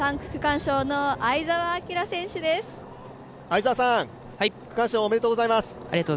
区間賞、おめでとうございます。